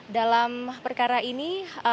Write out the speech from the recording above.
dalam perkara ini